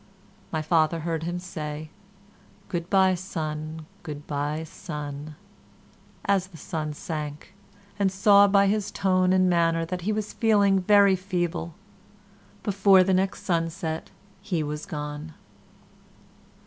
My father heard him say "Good bye, sun; good bye, sun," as the sun sank, and saw by his tone and manner that he was feeling very feeble. Before the next sunset he was gone.